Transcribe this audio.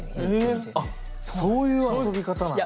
あっそういう遊び方なんだ！